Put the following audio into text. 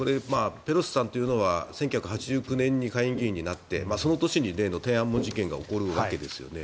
ペロシさんというのは１９８９年に下院議員になってその年に例の天安門事件が起きるわけですよね。